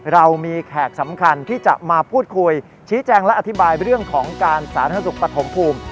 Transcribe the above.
เรามีแขกสำคัญที่จะมาพูดคุยชี้แจงและอธิบายเรื่องของการสาธารณสุขปฐมภูมิ